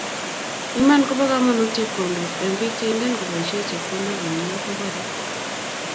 Iman bo kamanut chepkondok, eng biik cheingen kobaishie chepkondok komnyei kobare